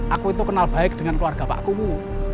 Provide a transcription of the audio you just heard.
aku itu kenal baik dengan keluarga pak kumu